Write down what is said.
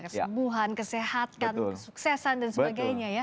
kesembuhan kesehatan kesuksesan dan sebagainya ya